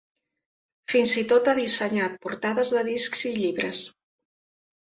Fins i tot ha dissenyat portades de discs i llibres.